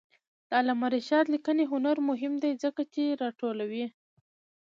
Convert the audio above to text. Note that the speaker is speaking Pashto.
د علامه رشاد لیکنی هنر مهم دی ځکه چې راټولوي.